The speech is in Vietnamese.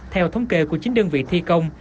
theo thống kê của chính đơn vị thi công